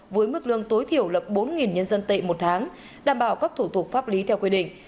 với mức lương tối thiểu là bốn nhân dân tệ một tháng đảm bảo các thủ tục pháp lý theo quy định